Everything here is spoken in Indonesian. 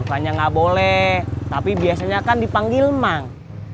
bukannya nggak boleh tapi biasanya kan dipanggil mang